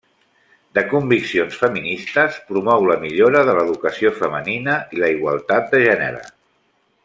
De conviccions feministes, promou la millora de l'educació femenina i la igualtat de gènere.